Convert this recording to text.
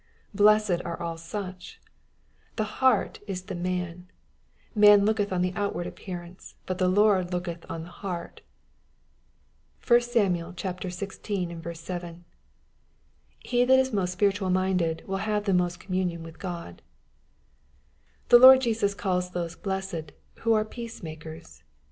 Blessea are all such I The heart is the man. ^^Manlookethonthe outward appearance^ but the Lord looketh on the heart." (1 Sam. xvi. 7.) He that is most spiritual minded will have most communion with God. The Lord Jesus calls those blessed, who are peaces makers.